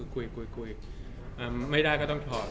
คุยไม่ได้ก็ต้องถอด